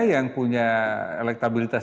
yang punya elektabilitas